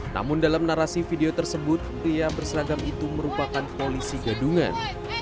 namun dalam narasi video tersebut pria berseragam itu merupakan polisi gadungan